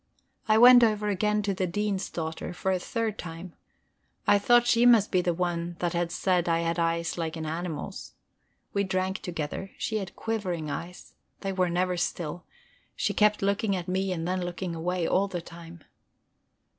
I went over again to the Dean's daughter, for the third time; I thought she must be the one that had said I had eyes like an animal's. We drank together; she had quivering eyes, they were never still; she kept looking at me and then looking away, all the time.